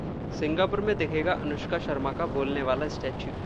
Singapore में दिखेगा अनुष्का शर्मा का बोलने वाला स्टैच्यू